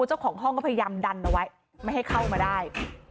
เจ้าของห้องก็พยายามดันเอาไว้ไม่ให้เข้ามาได้